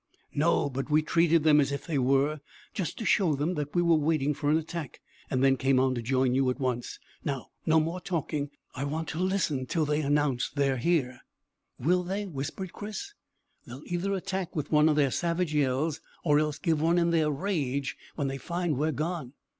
"No, but we treated them as if they were, just to show them that we were waiting for an attack, and then came on to join you at once. Now, no more talking; I want to listen till they announce that they are there." "Will they?" whispered Chris. "They'll either attack with one of their savage yells, or else give one in their rage when they find that we are gone.